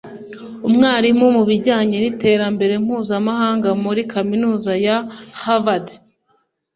umwarimu mu bijyanye n’iterambere mpuzamahanaga muri Kaminuza ya Harvard